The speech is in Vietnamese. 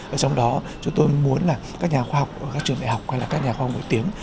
và trong đó chúng tôi muốn là các nhà khoa học ở các trường đại học hay là các nhà khoa học nổi tiếng